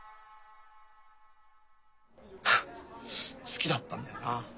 好きだったんだよな。